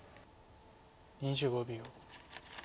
２５秒。